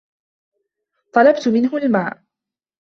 طلبت منه الماء.